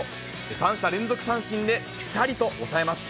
３者連続三振で、ぴしゃりと抑えます。